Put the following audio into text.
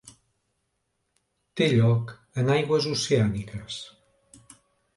Té lloc en aigües oceàniques.